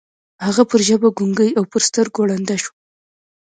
هغه پر ژبه ګونګۍ او پر سترګو ړنده شوه.